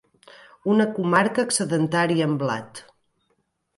Una comarca excedentària en blat.